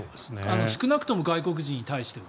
少なくとも外国人に対しては。